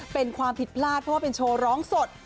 เป็นความผิดพลาดเพราะว่าเป็นโชว์ร้องสด